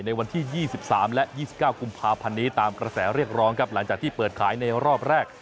ในวันที่๒๓และ๒๙กุมภาพันธ์นี้ตามกระแสเรียกร้องครับหลังจากที่เปิดขายในรอบแรก